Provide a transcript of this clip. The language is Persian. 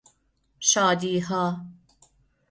شادیها